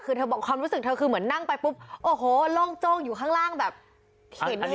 คือเธอบอกความรู้สึกเธอคือเหมือนนั่งไปปุ๊บโอ้โหโล่งโจ้งอยู่ข้างล่างแบบเห็น